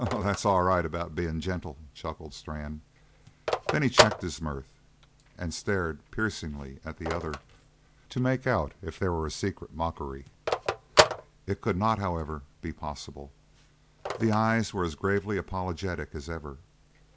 "Oh, that's all right about being gentle," chuckled Strann. Then he checked his mirth and stared piercingly at the other to make out if there were a secret mockery. It could not, however, be possible. The eyes were as gravely apologetic as ever.